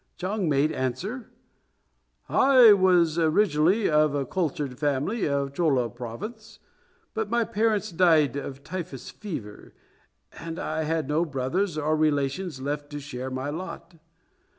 Chang made answer, "I was originally of a cultured family of Chulla Province, but my parents died of typhus fever, and I had no brothers or relations left to share my lot.